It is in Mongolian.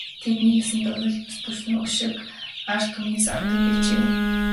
Тэд нэг ёсондоо хууль бус төрснийхөө өшөөг ард түмнээс авдаг байжээ.